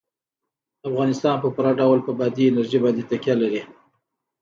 افغانستان په پوره ډول په بادي انرژي باندې تکیه لري.